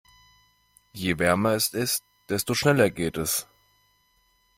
Je wärmer es ist, desto schneller geht es.